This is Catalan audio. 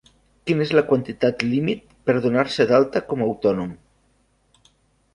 Quina és la quantitat límit per donar-se d'alta com a autònom?